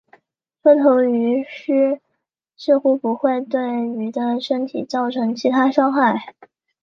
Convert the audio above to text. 缩头鱼虱似乎不会对鱼的身体造成其他伤害。